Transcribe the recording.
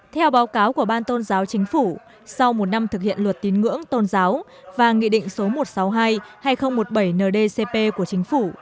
theo báo cáo của ban tôn giáo chính phủ sau một năm thực hiện luật tín ngưỡng tôn giáo và nghị định số một trăm sáu mươi hai hai nghìn một mươi bảy ndcp của chính phủ